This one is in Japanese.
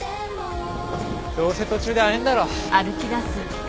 どうせ途中で会えんだろ。